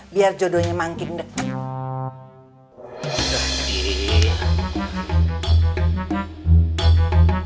biar jodohnya makin deket